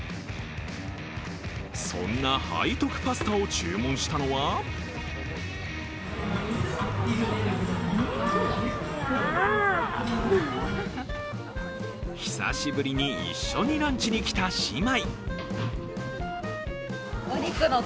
そんな背徳パスタを注文したのは久しぶりに一緒にランチに来た姉妹。